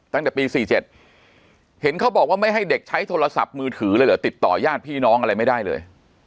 ตั้งแต่ปี๔๗เห็นเขาบอกว่าไม่ให้เด็กใช้โทรศัพท์มือถือเลยเหรอติดต่อญาติพี่น้องอะไรไม่ได้เลย